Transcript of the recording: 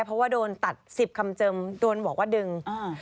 เพราะว่าโดนตัด๑๐คำเจมส์โดนบอกว่าดึง